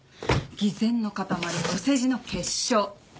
偽善の固まりお世辞の結晶。